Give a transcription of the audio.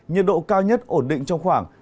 nhiệt độ cao nhất ổn định trong khoảng